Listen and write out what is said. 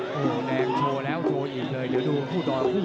โอ้โหแดงโชว์แล้วโชว์อีกเลยเดี๋ยวดูคู่ต่อยคู่